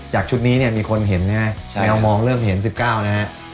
ชุดนี้เนี่ยมีคนเห็นนะฮะแมวมองเริ่มเห็น๑๙นะฮะ